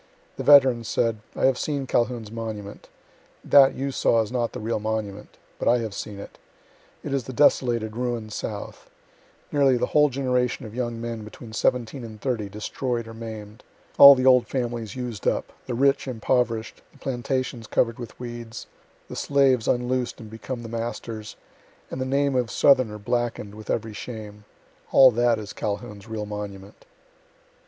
The veteran said: "I have seen Calhoun's monument. That you saw is not the real monument. But I have seen it. It is the desolated, ruined south; nearly the whole generation of young men between seventeen and thirty destroyed or maim'd; all the old families used up the rich impoverish'd, the plantations cover'd with weeds, the slaves unloos'd and become the masters, and the name of southerner blacken'd with every shame all that is Calhoun's real monument."